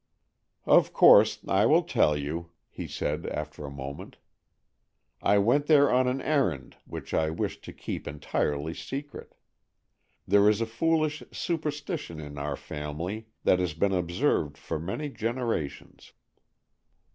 "Of course I will tell you," he said after a moment. "I went there on an errand which I wished to keep entirely secret. There is a foolish superstition in our family that has been observed for many generations.